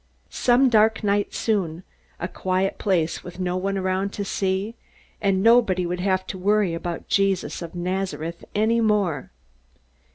Some dark night soon, a quiet place with no one around to see and nobody would have to worry about Jesus of Nazareth any more!